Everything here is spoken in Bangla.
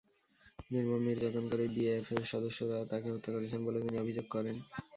নির্মম নির্যাতন করে বিএএফের সদস্যরা তাঁকে হত্যা করেছেন বলে তিনি অভিযোগ করেন।